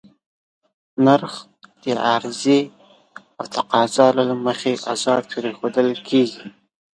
نرخ د عرضې او تقاضا له مخې ازاد پرېښودل کېږي.